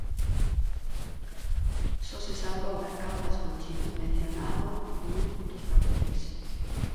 Só se salva o Mercado das Conchiñas, mencionado nun dos carteis.